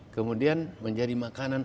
kemudian menjadi makanan